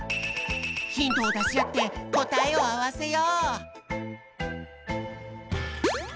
ヒントをだしあってこたえをあわせよう！